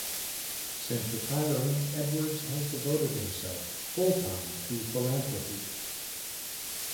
Since retiring, Edwards has devoted himself full-time to philanthropy.